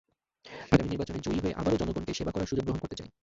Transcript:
আগামী নির্বাচনে জয়ী হয়ে আবারও জনগণকে সেবা করার সুযোগ গ্রহণ করতে চাই।